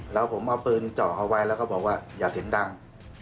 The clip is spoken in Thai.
แล้วผมเอาปืนเจาะเขาไว้แล้วก็บอกว่าอย่าเสียงดัง